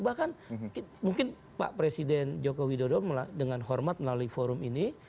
bahkan mungkin pak presiden joko widodo dengan hormat melalui forum ini